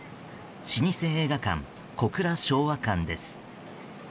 老舗映画館、小倉昭和館です。